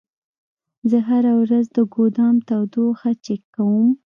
زه هره ورځ د ګودام تودوخه چک کوم.